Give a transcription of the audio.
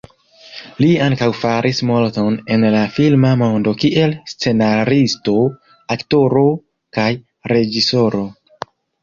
Li ankaŭ faris multon en la filma mondo kiel scenaristo, aktoro kaj reĝisoro.